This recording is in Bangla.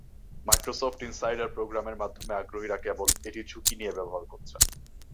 মাইক্রোসফট ইনসাইডার প্রোগ্রামের মাধ্যমে আগ্রহীরা কেবল এটি ঝুঁকি নিয়ে ব্যবহার করছেন।